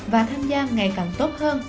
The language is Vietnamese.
và tham gia ngày càng tốt hơn